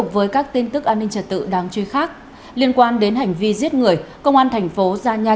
với những người ở lại